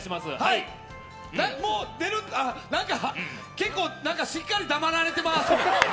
結構、しっかり黙られてます。